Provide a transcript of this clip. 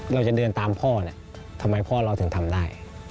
เราจะเดินตามพ่อเนี่ยทำไมพ่อเราถึงทำได้